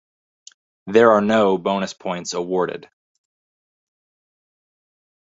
There are no bonus points awarded.